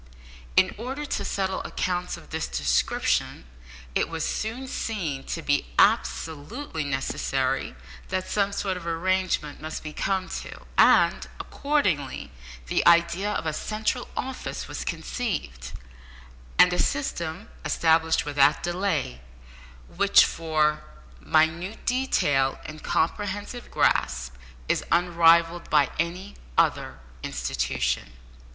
In order to settle accounts of this description, it was soon seen to be absolutely necessary that some sort of arrangement must be come to, and, accordingly, the idea of a central office was conceived, and a system established without delay, which, for minute detail and comprehensive grasp, is unrivalled by any other institution.